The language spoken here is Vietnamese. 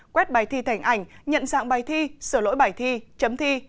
quét bài thi thành ảnh nhận dạng bài thi sửa lỗi bài thi chấm thi